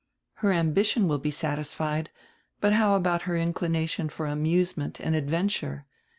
Her am bition will be satisfied, but how about her inclination for amusement and adventure?